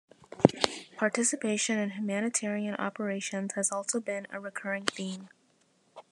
Participation in humanitarian operations has also been a recurring theme.